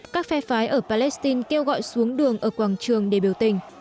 các phe phái ở palestine kêu gọi xuống đường ở quảng trường để biểu tình